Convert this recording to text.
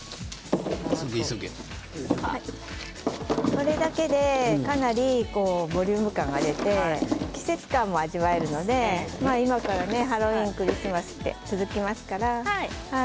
これだけでかなりボリューム感が出て季節感も味わえるので今からハロウィーンクリスマスと続きますから。